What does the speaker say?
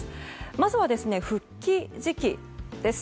まずは復帰時期です。